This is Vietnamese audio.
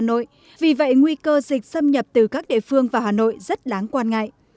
hà nội vì vậy nguy cơ dịch xâm nhập từ các địa phương vào hà nội rất đáng quan ngại